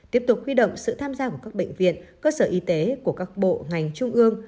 tiếp tục huy động sự tham gia của các bệnh viện cơ sở y tế của các bộ ngành trung ương